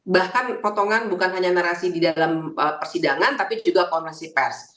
bahkan potongan bukan hanya narasi di dalam persidangan tapi juga konferensi pers